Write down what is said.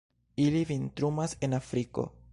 Ili vintrumas en Afriko.